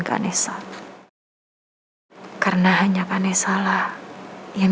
bunda itu kan cahaya banget sama kamu